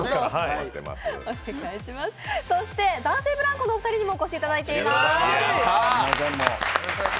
そして男性ブランコのお二人にもお越しいただいています。